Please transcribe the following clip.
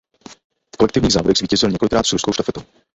V kolektivních závodech zvítězil několikrát s ruskou štafetou.